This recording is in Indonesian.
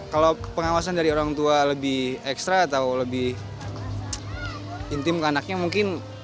kalau pengawasan dari orang tua lebih ekstra atau lebih intim ke anaknya mungkin